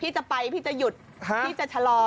จะไปพี่จะหยุดพี่จะชะลอ